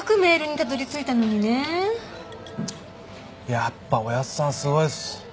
やっぱおやっさんすごいっす。